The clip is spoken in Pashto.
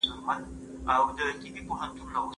دولتونه د خپلو استازو له لارې نړیوال تعامل کوي.